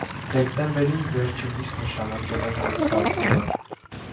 Դեկտեմբերին վերջինիս նշանակել են պետքարտուղար։